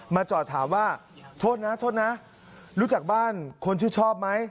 จอดถามว่าโทษนะโทษนะรู้จักบ้านคนชื่นชอบไหม